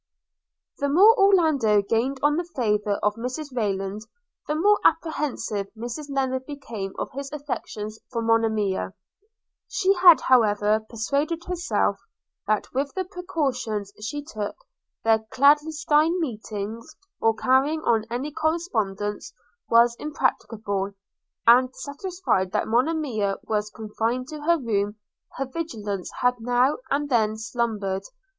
The more Orlando gained on the favour of Mrs Rayland, the more apprehensive Mrs Lennard became of his affection for Monimia: she had however persuaded herself, that, with the precautions she took, their clandestinely meeting or carrying on any correspondence was impracticable; and, satisfied that Monimia was confined to her room, her vigilance had now and then slumbered.